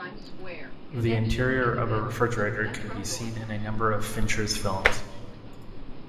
The interior of a refrigerator can be seen in a number of Fincher's films.